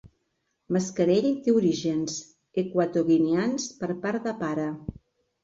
Mascarell té orígens equatoguineans per part de pare.